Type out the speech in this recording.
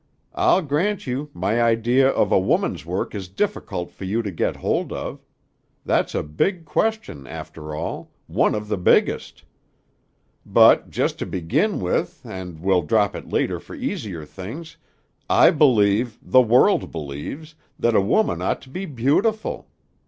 I'll grant you, my idea of a woman's work is difficult for you to get hold of. That's a big question, after all, one of the biggest. But just to begin with and we'll drop it later for easier things I believe, the world believes, that a woman ought to be beautiful.